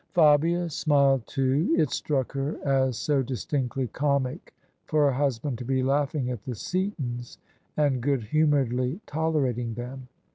Fabia smiled too. It struck her as so distinctly comic for her husband to be laughing at the Seatons and good humouredly tolerating them.